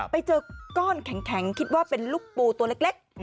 ไปเจอก้อนแข็งคิดว่าเป็นลูกปูตัวเล็ก